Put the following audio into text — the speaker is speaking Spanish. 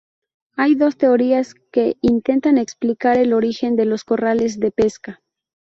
Hay dos teorías que intentan explicar el origen de los corrales de pesca.